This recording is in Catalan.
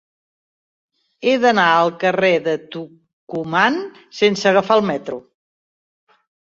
He d'anar al carrer de Tucumán sense agafar el metro.